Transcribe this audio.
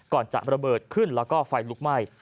ก่อนจะระเบิดขึ้นแล้วก็ไฟลุกไหม้